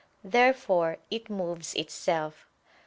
Therefore it moves itself.